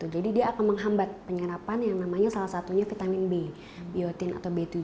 jadi dia akan menghambat penyerapan yang namanya salah satunya vitamin b biotin atau b tujuh